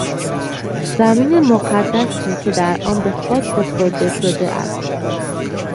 زمین مقدسی که در آن به خاک سپرده شده است